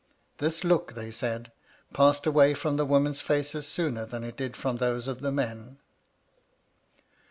This look, they said, passed away from the women's &ces sooner than it did from those of the men.